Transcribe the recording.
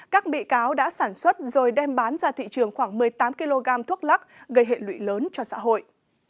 các bị cáo đã sản xuất rồi đem bán ra thị trường khoảng một mươi tám kg thuốc lắc gây hệ lụy lớn cho xã hội